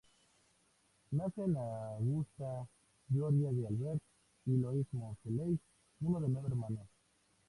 Nace en Augusta, Georgia de Albert y Eloise Moseley, uno de nueve hermanos.